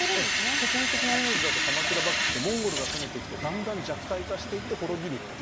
世間的なイメージだと鎌倉幕府ってモンゴルが攻めてきてだんだん弱体化していって滅びるっていう。